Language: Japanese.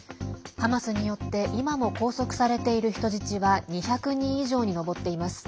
ハマスによって今も拘束されている人質は２００人以上に上っています。